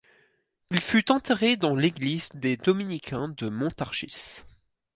Il fut enterré dans l'église des Dominicains de Montargis.